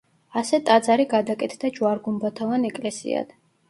ასე ტაძარი გადაკეთდა ჯვარ-გუმბათოვან ეკლესიად.